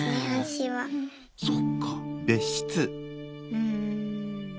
うん。